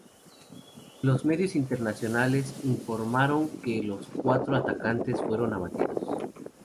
Los medios internacionales informaron que los cuatro atacantes fueron abatidos.